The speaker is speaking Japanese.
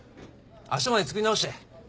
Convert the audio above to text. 明日までに作り直して。